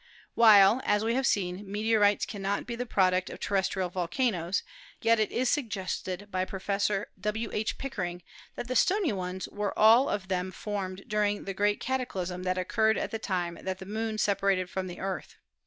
While, as we have seen, meteorites cannot be the prod uct of terrestrial volcanoes, yet it is suggested by Prof. W. H. Pickering that the stony ones were all of them formed during the great cataclysm that occurred at the time that the Moon separated from the Earth.